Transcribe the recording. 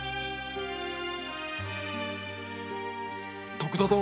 徳田殿